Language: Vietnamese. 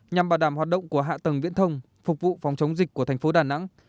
nhằm bảo đảm hoạt động của hạ tầng viễn thông phục vụ phòng chống dịch của thành phố đà nẵng